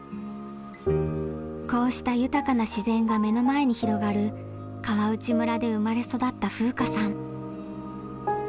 こうした豊かな自然が目の前に広がる川内村で生まれ育った風夏さん。